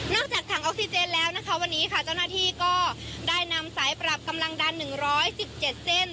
นอกจากถังออกซิเจนแล้วนะคะวันนี้ค่ะเจ้าหน้าที่ก็ได้นำสายปรับกำลังดันหนึ่งร้อยสิบเจ็ดเส้น